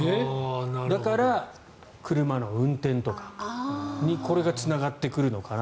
だから、車の運転とかにこれがつながってくるのかな。